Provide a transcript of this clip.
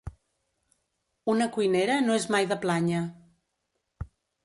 Una cuinera no és mai de plànyer.